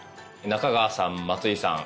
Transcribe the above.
中川さん松井さん